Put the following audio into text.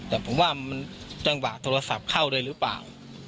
แต่ผมว่ามันจังหวะโทรศัพท์เข้าด้วยหรือเปล่า